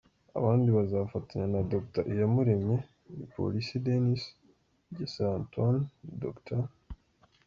Abandi bazafatanya na Dr Iyamuremye ni Polisi Denis , Mugesera Antoine , Dr.